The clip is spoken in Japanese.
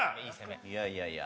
いやいやいや。